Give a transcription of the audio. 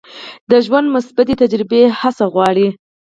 د ژوند مثبتې تجربې هڅه غواړي.